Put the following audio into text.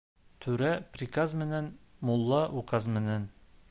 Түрә приказ менән, мулла указ менән.